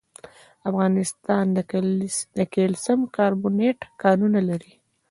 افغانستان د کلسیم کاربونېټ کانونه لري.